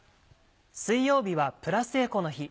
水曜日はプラスエコの日。